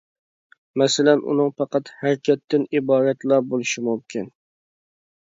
مەسىلەن، ئۇنىڭ پەقەت ھەرىكەتتىن ئىبارەتلا بولۇشى مۇمكىن.